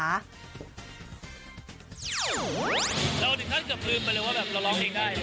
เราถึงขั้นเกือบลืมไปเลยว่าแบบเราร้องเองได้